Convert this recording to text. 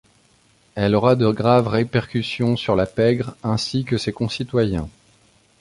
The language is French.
Elle aura de graves répercussions sur la pègre ainsi que ses concitoyens.